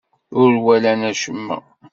Ur walan acemma.